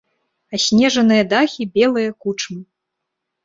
Аснежаныя дахі белыя кучмы.